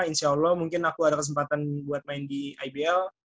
insya allah mungkin aku ada kesempatan buat main di ibl